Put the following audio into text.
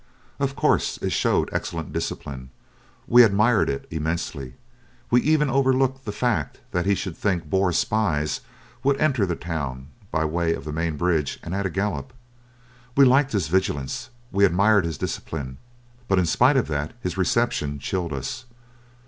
Of course it showed excellent discipline we admired it immensely. We even overlooked the fact that he should think Boer spies would enter the town by way of the main bridge and at a gallop. We liked his vigilance, we admired his discipline, but in spite of that his reception chilled us.